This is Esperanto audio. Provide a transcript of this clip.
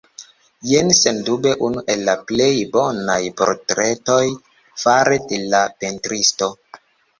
Jen sendube unu el la plej bonaj portretoj fare de la pentristo.